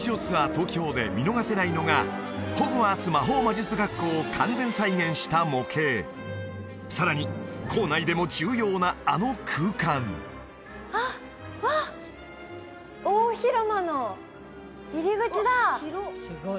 東京で見逃せないのがホグワーツ魔法魔術学校を完全再現した模型さらに校内でも重要なあの空間あっわあ大広間の入り口だ